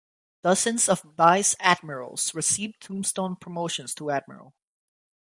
Dozens of vice admirals received tombstone promotions to admiral.